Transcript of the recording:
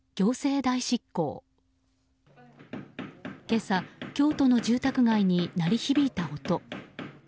今朝、京都の住宅街に鳴り響いた音。